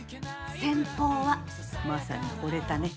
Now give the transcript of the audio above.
先方はマサにほれたね。